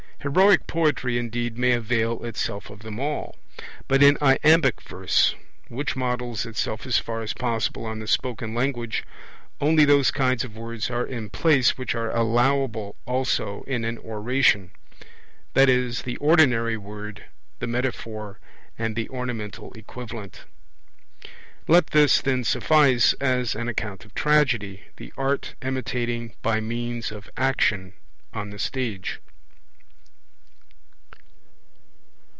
Heroic poetry, indeed, may avail itself of them all. But in iambic verse, which models itself as far as possible on the spoken language, only those kinds of words are in place which are allowable also in an oration, i.e. the ordinary word, the metaphor, and the ornamental equivalent. Let this, then, suffice as an account of Tragedy, the art imitating by means of action on the stage.